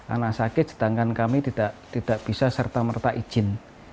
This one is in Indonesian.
anak sakit sedangkan kami tidak bisa serta merta izin